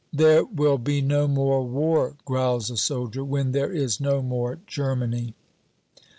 "There will be no more war," growls a soldier, "when there is no more Germany."